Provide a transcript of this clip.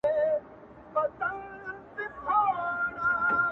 چې تر څو مې ګوتو ونکړې تڼاکې